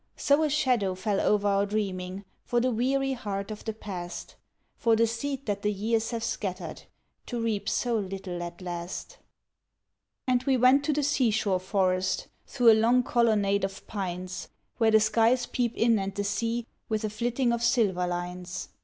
So a shadow fell o'er our dreaming for the weary heart of the past, For the seed that the years have scattered, to reap so little at last. And we went to the sea shore forest, through a long colonnade of pines, Where the skies peep in and the sea, with a flitting of silver lines.